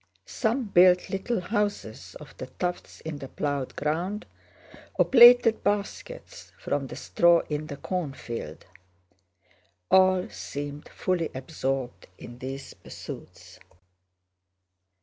Some built little houses of the tufts in the plowed ground, or plaited baskets from the straw in the cornfield. All seemed fully absorbed in these pursuits.